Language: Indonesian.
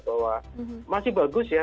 bahwa masih bagus ya